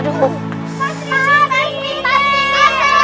tidak ada yang mau diserah